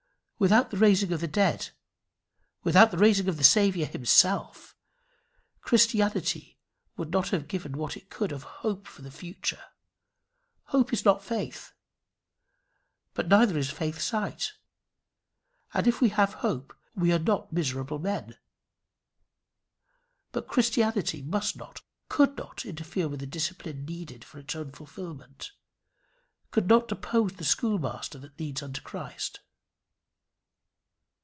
Without the raising of the dead, without the rising of the Saviour himself, Christianity would not have given what it could of hope for the future. Hope is not faith, but neither is faith sight; and if we have hope we are not miserable men. But Christianity must not, could not interfere with the discipline needful for its own fulfilment, could not depose the schoolmaster that leads unto Christ.